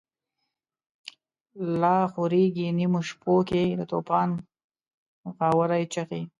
لا خوریږی نیمو شپو کی، دتوفان غاوری چیغی